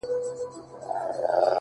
چي ستا د سونډو د ربېښلو کيسه ختمه نه ده!